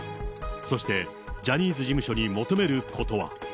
そしてジャニーズ事務所に求めることは。